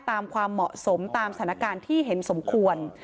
ตามความเหมาะสมตามสถานการณ์ที่เห็นสมควร